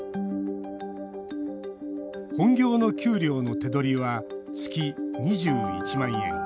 本業の給料の手取りは月２１万円。